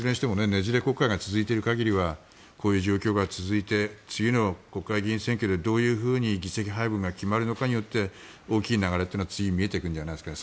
ねじれ国会が続いている限りはこういう状況が続いて次の国会議員選挙でどう議席配分が決まるのかによって大きい流れは次見えてくるんじゃないですか。